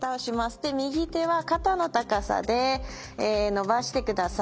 で右手は肩の高さで伸ばしてください。